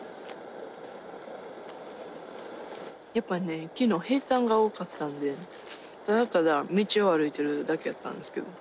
やっぱね昨日平たんが多かったんでただただ道を歩いてるだけやったんですけど。